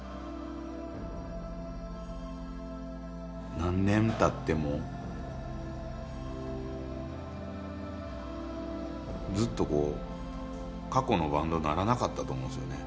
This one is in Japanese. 何年たってもずっとこう過去のバンドにならなかったと思うんですよね